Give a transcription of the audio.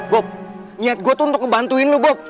bob niat gue tuh untuk ngebantuin lu bob